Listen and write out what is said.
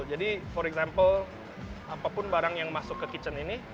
jadi for example apapun barang yang masuk ke kitchen ini